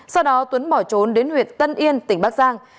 sau đó tuấn bỏ trốn đến huyện tân yên tỉnh bắc giang